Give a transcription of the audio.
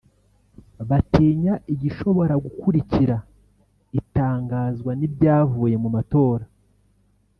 batinya igishobora gukurikira itangazwa ry’ibyavuye mu matora